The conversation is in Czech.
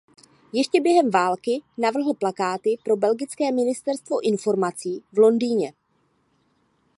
Ještě během války navrhl plakáty pro belgické ministerstvo informací v Londýně.